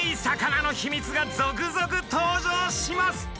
魚のヒミツが続々登場します！